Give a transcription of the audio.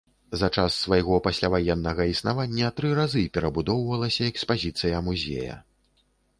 За час свайго пасляваеннага існавання тры разы перабудоўвалася экспазіцыя музея.